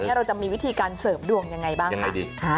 เราจะมีวิธีการเสริมดวงยังไงบ้างคะ